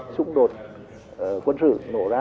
xung đột quân sự nổ ra